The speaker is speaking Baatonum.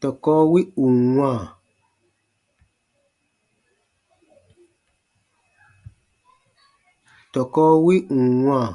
Tɔkɔ wi ù n wãa,